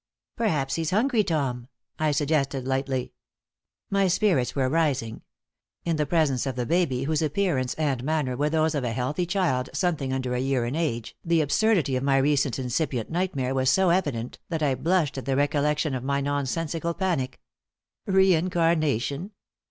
"Perhaps he's hungry, Tom," I suggested, lightly. My spirits were rising. In the presence of the baby, whose appearance and manner were those of a healthy child something under a year in age, the absurdity of my recent incipient nightmare was so evident that I blushed at the recollection of my nonsensical panic. Reincarnation?